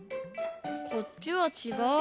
こっちはちがう。